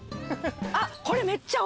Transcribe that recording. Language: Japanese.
あっ！